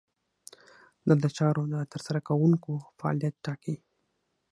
دا د چارو د ترسره کوونکو فعالیت ټاکي.